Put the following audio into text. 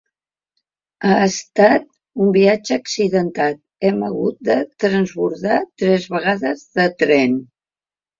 Ha estat un viatge accidentat: hem hagut de transbordar tres vegades de tren.